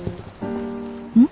うん？